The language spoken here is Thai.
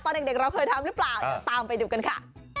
ตอนเด็กเราเคยทำหรือเปล่าเดี๋ยวตามไปดูกันค่ะ